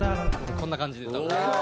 こんな感じで歌ってます。